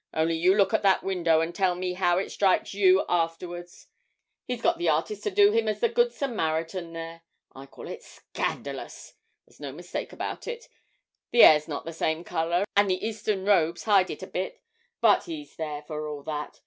Only you look at that window, and tell me how it strikes you afterwards. He's got the artist to do him as the Good Samaritan there! I call it scandalous! there's no mistake about it; the 'air's not the same colour, and the Eastern robes hide it a bit; but he's there for all that.